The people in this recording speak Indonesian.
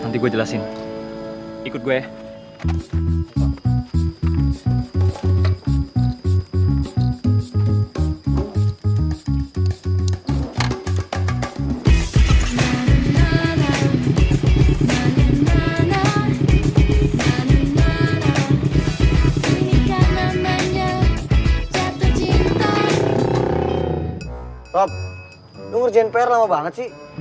rob nunggu ngerjain pr lama banget sih